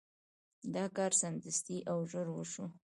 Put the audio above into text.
دا کار سمدستي او ژر وشو.